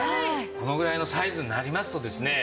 このぐらいのサイズになりますとですね